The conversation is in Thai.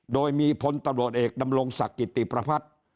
โดยมีพลตำรวจเอกดำรงศักดิ์กิติประพัฒน์